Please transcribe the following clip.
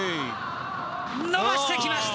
伸ばしてきました！